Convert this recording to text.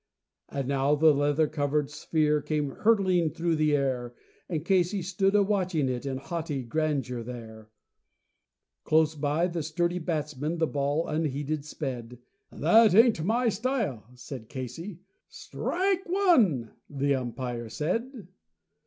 And now the leather covered sphere came hurtling through the air, And Casey stood a watching it in haughty grandeur there. Close by the sturdy batsman the ball unheeded sped "That ain't my style," said Casey. "Strike one," the umpire said.